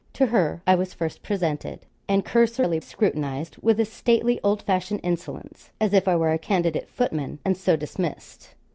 To her I was first presented, and cursorily scrutinised with a stately old fashioned insolence, as if I were a candidate footman, and so dismissed.